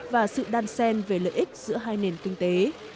và sự đan sen về lợi ích giữa hai nền kinh tế